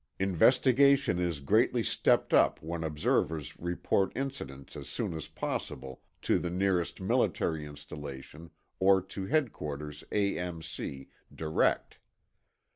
Investigation is greatly stepped up when observers report incidents as soon as possible to the nearest military installation or to Headquarters, A.M.C., direct.